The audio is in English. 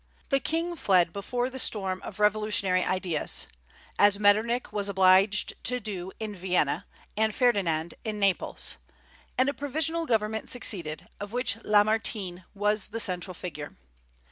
The king fled before the storm of revolutionary ideas, as Metternich was obliged to do in Vienna, and Ferdinand in Naples, and a provisional government succeeded, of which Lamartine was the central figure.